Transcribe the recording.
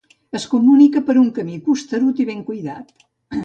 Es comunica per un camí costerut i ben cuidat.